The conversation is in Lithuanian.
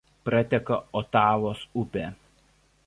Prateka Otavos upė.